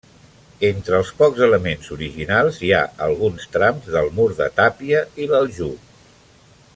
Entre els pocs elements originals hi ha alguns trams del mur de tàpia i l'aljub.